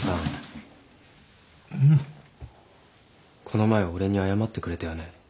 この前俺に謝ってくれたよね。